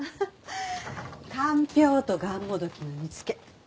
かんぴょうとがんもどきの煮付け。